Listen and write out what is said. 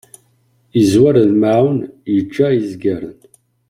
Yezzwer lmaεun, yegga izgaren.